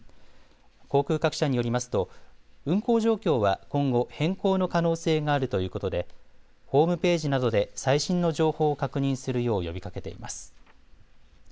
航空各社によりますと運航状況は今後、変更の可能性があるということでホームページなどで最新の情報を確認するよう呼びかけています。